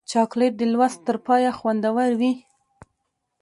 چاکلېټ د لوست تر پایه خوندور وي.